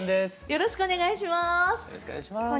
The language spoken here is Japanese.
よろしくお願いします。